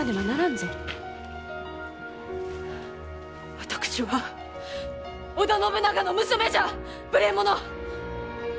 私は織田信長の娘じゃ！